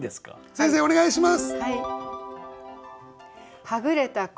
先生お願いします。